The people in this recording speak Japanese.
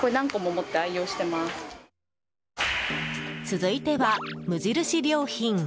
続いては無印良品。